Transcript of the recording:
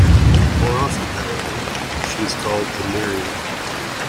More often, however, she is called a Nereid.